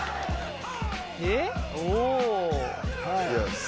えっ？